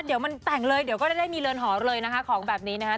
เดี๋ยวมันแต่งเลยเดี๋ยวก็ได้มีเรือนหอเลยนะคะของแบบนี้นะคะ